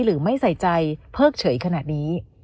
หรือไม่ใส่ใจเพิกเฉยขนาดนี้